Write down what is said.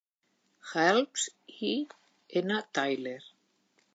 Helps i N. Tyler.